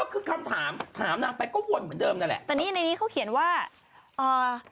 ผลังไปก็วนเหมือนเดิมน่ะแหละแต่นี่ในนี้เขาเขียนว่าอ่า